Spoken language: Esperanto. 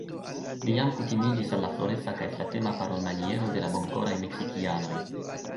Li jam kutimiĝis al la floreca kaj flatema parolmaniero de la bonkoraj Meksikianoj.